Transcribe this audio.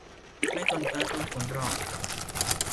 ไม่ทนฟ้าทนฝนหรอก